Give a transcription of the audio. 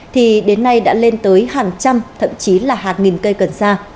thì đến nay đã lên tới hàng trăm thậm chí là hàng nghìn cây cần sa